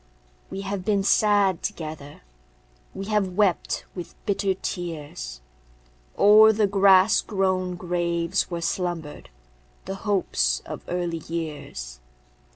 We have been sad together; We have wept with bitter tears O'er the grass grown graves where slumbered The hopes of early years.